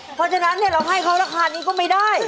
เพราะฉะนั้นเราให้เขาราคานี้ก็ไม่ได้